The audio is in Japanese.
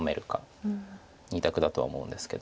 ２択だとは思うんですけど。